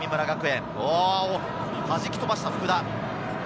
はじき飛ばした福田。